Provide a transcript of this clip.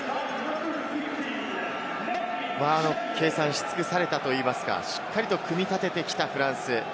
計算し尽くされたといいますか、しっかりと組み立ててきたフランス。